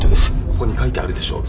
ここに書いてあるでしょ？